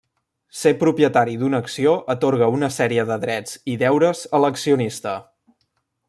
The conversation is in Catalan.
Ser propietari d'una acció atorga una sèrie de drets i deures a l'accionista.